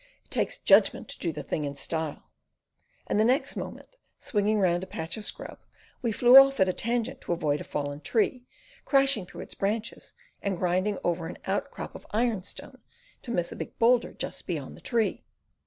"It takes judgment to do the thing in style"; and the next moment, swinging round a patch of scrub, we flew off at a tangent to avoid a fallen tree, crashing through its branches and grinding over an out crop of ironstone to miss a big boulder just beyond the tree.